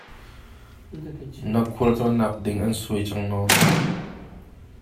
Na khualtlawnnak ding an suai cang maw?